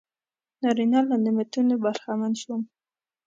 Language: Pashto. نارینه له نعمتونو برخمن شول.